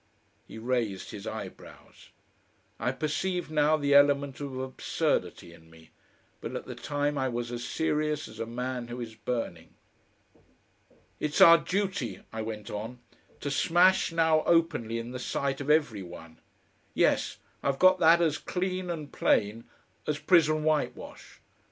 He raised his eyebrows. I perceived now the element of absurdity in me, but at the time I was as serious as a man who is burning. "It's our duty," I went on, "to smash now openly in the sight of every one. Yes! I've got that as clean and plain as prison whitewash.